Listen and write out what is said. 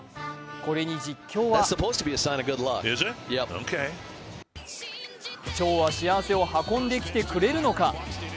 これに実況はチョウは幸せを運んでくれるのか？